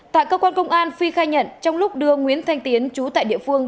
tại cơ quan công an phi khai nhận trong lúc đưa nguyễn thanh tiến chú tại địa phương